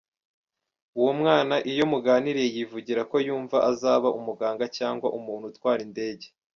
Uwo mwana iyo muganiriye yivugira ko yumva azaba umuganga cyangwa umuntu utwara indege.